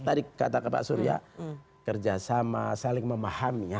tadi kata pak surya kerjasama saling memahami